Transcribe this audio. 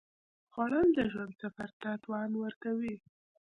خوړل د ژوند سفر ته توان ورکوي